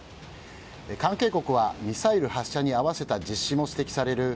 関係国はミサイル発射に合わせた実施も指摘される